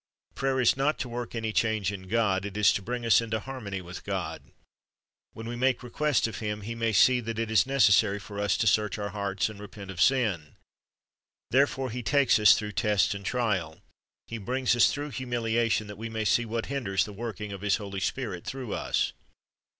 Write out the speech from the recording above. Prayer is not to work any change in God; it is to bring us into harmony with God. When we make request of Him, He may see that it is necessary for us to search our hearts and repent of sin. Therefore He takes us through test and trial, He brings us through humiliation, that we may see what hinders the working of His Holy Spirit through us.